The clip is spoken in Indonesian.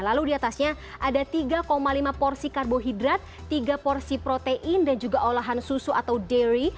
lalu diatasnya ada tiga lima porsi karbohidrat tiga porsi protein dan juga olahan susu atau dairy